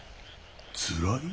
つらい？